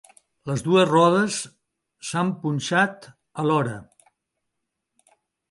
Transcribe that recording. Les dues rodes s'han punxat alhora.